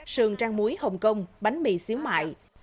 sườn trang muối hồng kông bánh mì xíu mại